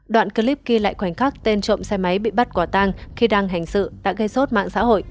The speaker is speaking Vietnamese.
đoạn clip ghi lại khoảnh khắc tên trộm xe máy bị bắt quả tang khi đang hành sự đã gây sốt mạng xã hội